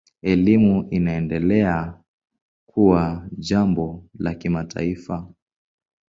Elimu inaendelea kuwa jambo la kimataifa.